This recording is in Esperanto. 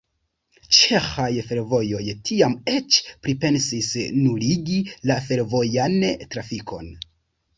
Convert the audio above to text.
Ĉeĥaj Fervojoj tiam eĉ pripensis nuligi la fervojan trafikon.